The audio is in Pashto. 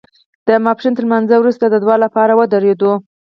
د ماسپښین تر لمانځه وروسته د دعا لپاره ودرېدو.